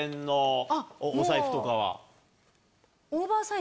お財布とかは？